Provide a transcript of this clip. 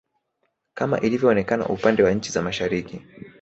kama ilivyoonekana upande wa nchi za Mashariki